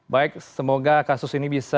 baik semoga kasus ini bisa